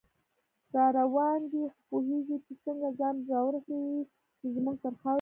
راروان دی خو پوهیږي نه چې څنګه، ځان راورسوي دی زمونږ تر خاورې